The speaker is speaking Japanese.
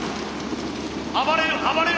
暴れる暴れる！